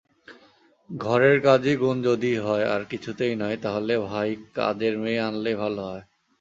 ঘরের কাজই গুণ যদি হয়আর কিছুতেই নয়, তাহলে ভাই কাজের মেয়েইআনলে ভালো হয়।